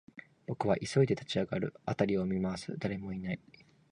僕は急いで立ち上がる、辺りを見回す、誰もいない